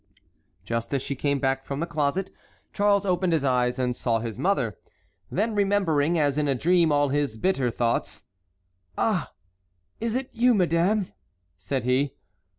Just as she came back from the closet Charles opened his eyes and saw his mother. Then remembering as in a dream all his bitter thoughts: "Ah! is it you, madame?" said he.